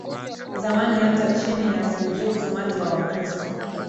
zamani Hata chini ya Seljuks umati wa Wakristo